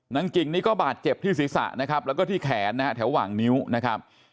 กิ่งนี่ก็บาดเจ็บที่ศีรษะนะครับแล้วก็ที่แขนนะฮะแถวหว่างนิ้วนะครับ